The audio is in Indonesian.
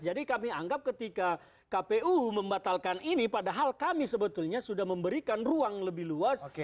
jadi kami anggap ketika kpu membatalkan ini padahal kami sebetulnya sudah memberikan ruang lebih luas